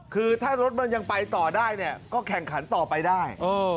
คือถ้ารถมันยังไปต่อได้เนี่ยก็แข่งขันต่อไปได้